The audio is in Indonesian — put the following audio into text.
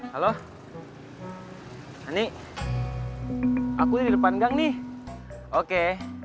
halo ini aku di depan gang nih oke